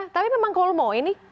tapi memang kolmo ini